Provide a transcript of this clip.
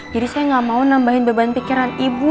jadi saya gak mau nambahin beban pikiran ibu